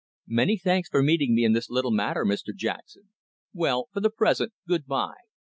"Many thanks for meeting me in this little matter, Mr Jackson. Well, for the present, good bye."